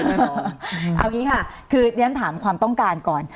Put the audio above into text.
เอาอย่างนี้ค่ะคือเรียนถามความต้องการก่อน